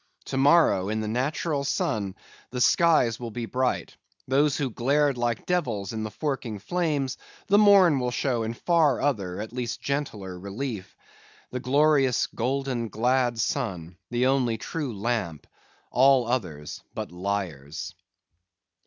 To morrow, in the natural sun, the skies will be bright; those who glared like devils in the forking flames, the morn will show in far other, at least gentler, relief; the glorious, golden, glad sun, the only true lamp—all others but liars!